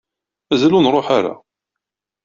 Mazal ur nruḥ ara.